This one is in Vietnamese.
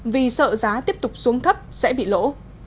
vì sợ giá tiếp tục xuống thấp sẽ bị lỗ